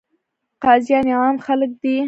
قاضیان یې عام خلک دي.